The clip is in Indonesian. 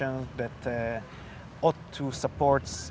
yang harus mendukung